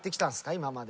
今まで。